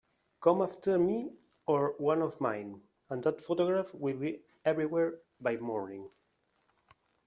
Come after me or one of mine, and that photograph will be everywhere by morning.